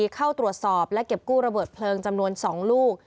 เข้าตรวจสอบและเก็บกู้ระเบิดเพลิงจำนวน๒ลูก